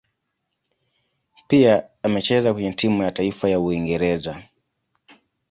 Pia amecheza kwenye timu ya taifa ya Uingereza.